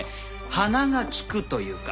鼻が利くというか。